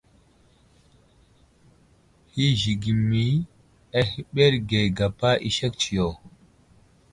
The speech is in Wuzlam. Hi zigəmi ahəɓerge gapa i sek tsiyo.